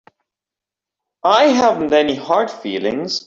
I haven't any hard feelings.